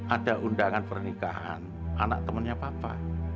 ada undangan pernikahan anak temannya papa